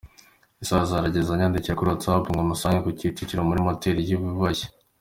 Isaha zarageze anyandikira kuri whattsapp ngo musange Kicukiro muri motel yiyubashye